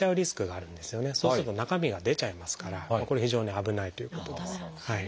そうすると中身が出ちゃいますからこれ非常に危ないということです。